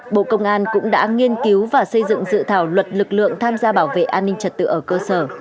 bộ công an cũng đã nghiên cứu và xây dựng dự thảo luật lực lượng tham gia bảo vệ an ninh trật tự ở cơ sở